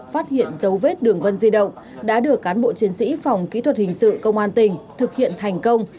phát hiện dấu vết đường vân di động đã được cán bộ chiến sĩ phòng kỹ thuật hình sự công an tỉnh thực hiện thành công